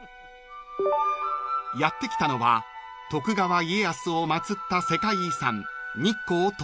［やって来たのは徳川家康を祭った世界遺産］